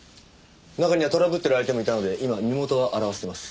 中にはトラブってる相手もいたので今身元を洗わせています。